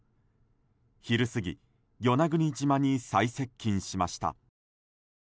昼過ぎ、与那国島に最接近しました。